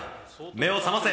目を覚ませ！